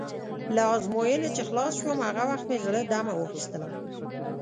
له ازموینې چې خلاص شوم، هغه وخت مې زړه دمه واخیستله.